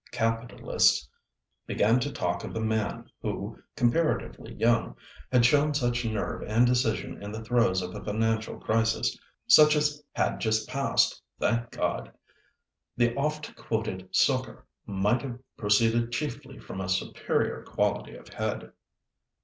Capitalists began to talk of the man who, comparatively young, had shown such nerve and decision in the throes of a financial crisis—such as had just passed, thank God! The oft quoted succour might have proceeded chiefly from a superior quality of head.